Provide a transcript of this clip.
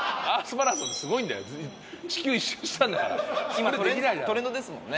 今トレンドですもんね。